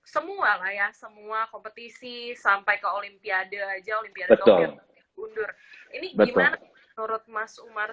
semualah ya semua kompetisi sampai ke olimpiade aja deutschland mundur ini betul orang mas umar